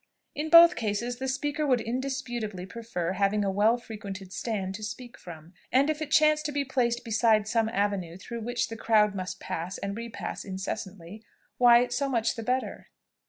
In both cases the speaker would indisputably prefer having a well frequented stand to speak from; and if it chance to be placed beside some avenue through which the crowd must pass and repass incessantly, why so much the better.